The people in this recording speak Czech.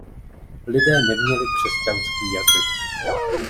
Lidé neměli křesťanský jazyk.